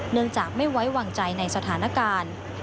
เนื่องจากไม่ไว้วางใจในสถานการณ์